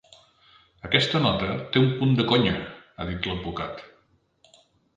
“Aquesta nota té un punt de conya”, ha dit l’advocat.